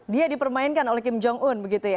dia dipermainkan oleh kim jong un begitu ya